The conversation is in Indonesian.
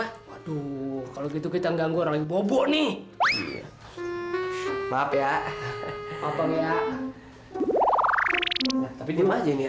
waduh kalau gitu kita ganggu orang bobo nih maaf ya maaf ya tapi dia aja ini ya